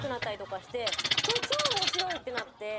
これ超おもしろい！ってなって。